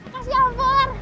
terima kasih mas pur